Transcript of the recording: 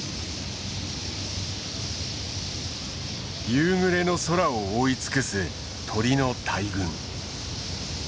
夕暮れの空を覆い尽くす鳥の大群。